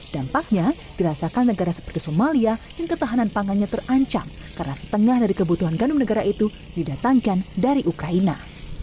dampaknya dirasakan negara seperti somalia yang ketahanan pangannya terancam karena setengah dari kebutuhan gandum negara itu didatangkan dari ukraina